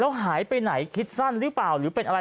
หายไปไหนคิดสั้นหรือเปล่าหรือเป็นอะไร